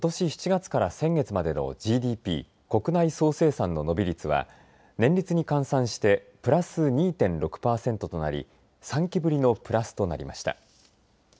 ７月から先月までのＧＤＰ国内総生産の伸び率は年率に換算してプラス２．６パーセントとなり３期ぶりのプラスとなりました。